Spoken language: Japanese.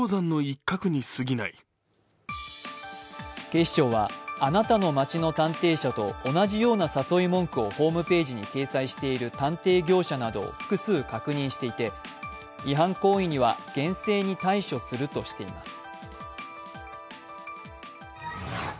警視庁は、あなたの街の探偵社と同じような誘い文句をホームページに掲載している探偵業者などを複数確認していて違反行為には厳正に対処するとしています。